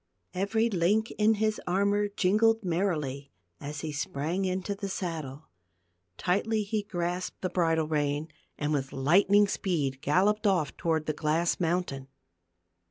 Every link in his armor jingled merrily as he sprang into the saddle ; tightly he grasped the bridle rein, and with lightning speed galloped off toward the a glass mountain.